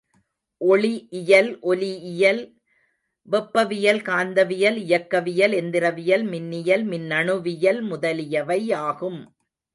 ஒளி இயல், ஒலி இயல், வெப்பவியல், காந்தவியல், இயக்கவியல், எந்திரவியல், மின்னியல், மின்னணுவியல் முதலியவை ஆகும்.